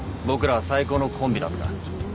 僕らは最高のコンビだった。